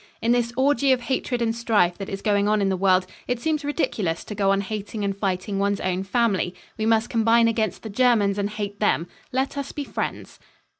"In this orgy of hatred and strife that is going on in the world, it seems ridiculous to go on hating and fighting one's own family. We must combine against the Germans and hate them. Let us be friends."